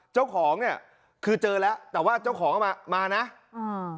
เจ้าของเนี้ยคือเจอแล้วแต่ว่าเจ้าของเอามามานะอืม